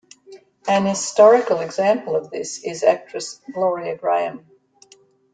An historical example of this is actress Gloria Grahame.